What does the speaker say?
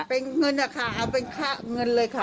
เป็นเงินนะคะเอาเป็นเงินเลยค่ะ